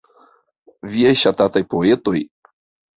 Viaj ŝatataj poetoj?